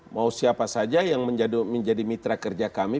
mau siapa saja yang menjadi mitra kerja kami